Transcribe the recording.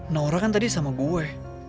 nora kan tadi sama gue